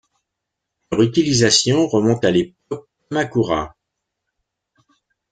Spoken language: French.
Leur utilisation remonte à l'époque Kamakura.